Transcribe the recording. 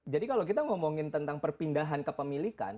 jadi kalau kita ngomongin tentang perpindahan kepemilikan